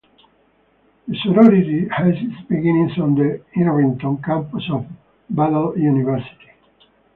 The sorority has its beginnings on the Irvington campus of Butler University.